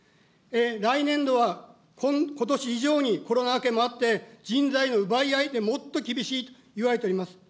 来年度はことし以上にコロナ明けもあって、人材の奪い合いで、もっと厳しいといわれております。